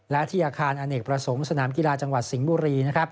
และที่อาคารอเนกประสงค์สนามกีฬาจังหวัดสิงห์บุรี